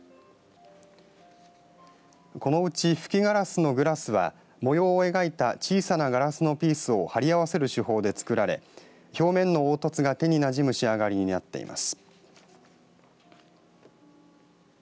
このうち、吹きガラスのグラスは模様を描いた小さなガラスのピースを張り合わせる手法で作られ表面の凹凸が手になじむ仕上がりになっています。